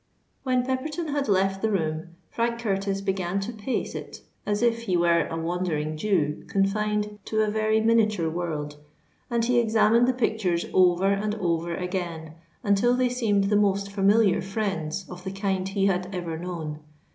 When Pepperton had left the room, Frank Curtis began to pace it as if he were a Wandering Jew confined to a very miniature world; and he examined the pictures over and over again, until they seemed the most familiar friends of the kind he had ever known.